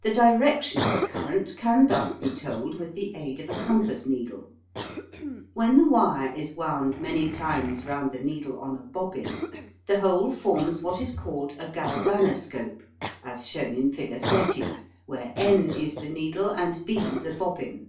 The direction of a current can thus be told with the aid of a compass needle. When the wire is wound many times round the needle on a bobbin, the whole forms what is called a galvanoscope, as shown in figure 30, where N is the needle and B the bobbin.